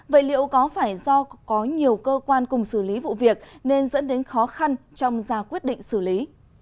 vậy liệu có phải do có nhiều cơ quan cùng xử lý vụ việc nên dẫn đến khó khăn trong ra quyết định xử lý